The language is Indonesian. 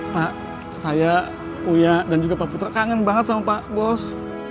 pak saya uya dan juga pak putra kangen banget sama pak bos